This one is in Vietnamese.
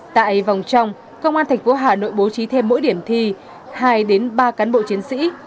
tại vòng trong công an thành phố hà nội bố trí thêm mỗi điểm thi hai ba cán bộ chiến sĩ